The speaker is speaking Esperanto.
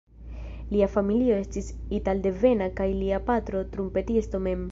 Lia familio estis italdevena kaj lia patro trumpetisto mem.